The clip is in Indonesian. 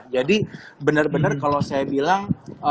jadi benar benar kalau saya bilang